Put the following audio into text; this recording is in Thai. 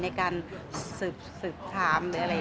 ในการสืบถามอะไรอย่างนี้ค่ะ